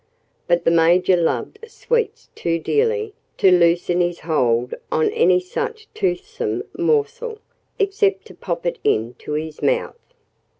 But the Major loved sweets too dearly to loosen his hold on any such toothsome morsel except to pop it into his mouth.